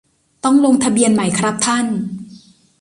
ต้องลงทะเบียนไหมครับท่าน